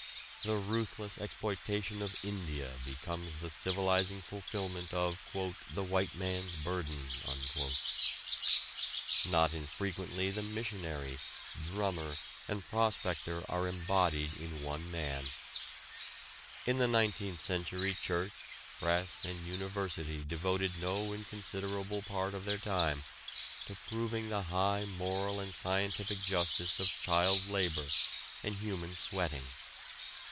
The ruthless exploitation of India becomes the civilizing fulfilment of the "white man's burden"; not infrequently the missionary, drummer, and prospector are embodied in one man. In the nineteenth century church, press and university devoted no inconsiderable part of their time to proving the high moral and scientific justice of child labor and human sweating.